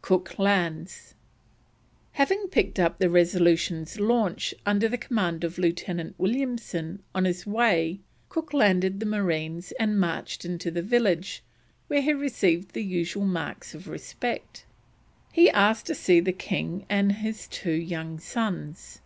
COOK LANDS. Having picked up the Resolution's launch, under the command of Lieutenant Williamson, on his way, Cook landed the marines, and marched into the village, where he received the usual marks of respect. He asked to see the king and his two young sons.